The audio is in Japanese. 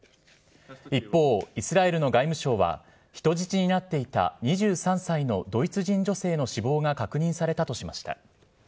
一方、イスラエルの外務省は、人質になっていた２３歳のドイツ人女性の死亡が確認されたとしました。